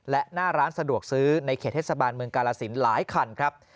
และหน้าร้านสะดวกซื้อในเขตเทศบาลเมืองกาลสินหลายคันครับ